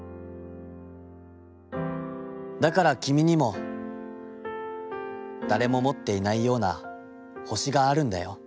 だからきみにも、誰も持っていないような星があるんだよ』。